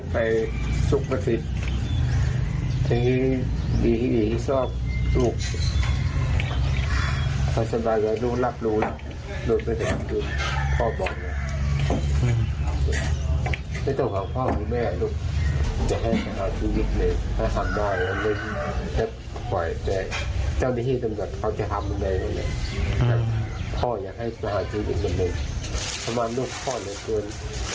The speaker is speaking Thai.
พ่ออยากให้สหาชีวิตกันหนึ่งประมาณร่วมพ่อหนึ่งเกิน